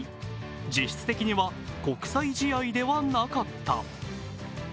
実質的には国際試合ではなかった。